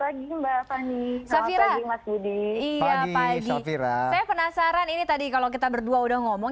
pagi mbak fani safira mas budi iya pagi saya penasaran ini tadi kalau kita berdua udah ngomong